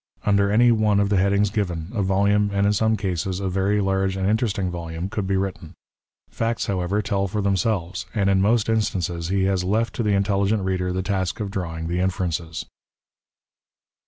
Under any one of the headings given, a volume, and in some cases, a very large and interesting volume, could be written. Pacts, however, tell for themselves, and in most instances he has left to the intelligent reader the task of drawing the inferences.